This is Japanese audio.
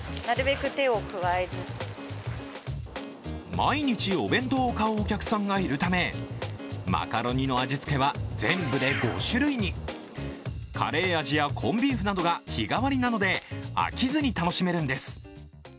毎日お弁当を買うお客さんがいるため、マカロニの味つけは全部で５種類にカレー味やコンビーフなどが日替わりなので、飽きずに楽しめるんです。